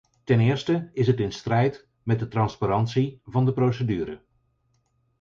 Ten eerste is het in strijd met de transparantie van de procedure.